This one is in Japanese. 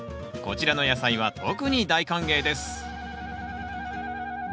こちらの野菜は特に大歓迎です。